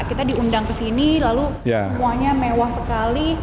kita diundang ke sini lalu semuanya mewah sekali